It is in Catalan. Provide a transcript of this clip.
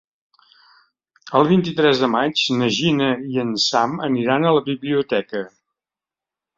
El vint-i-tres de maig na Gina i en Sam aniran a la biblioteca.